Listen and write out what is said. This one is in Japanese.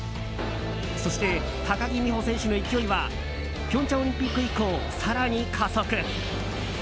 そして高木美帆選手の勢いは平昌オリンピック以降更に加速。